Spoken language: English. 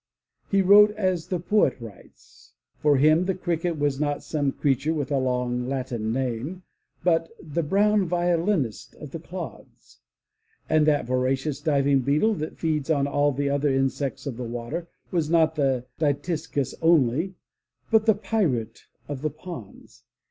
He wrote as the poet writes. For him the cricket was not some creature with a long Latin name, but "the brown violinist of the clods,'' and that voracious diving beetle that feeds on all the other insects of the water, was not the Dytiscus only, but the ^'pirate of the ponds.